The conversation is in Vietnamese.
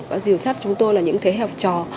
và rìu rắt chúng tôi là những thế học trò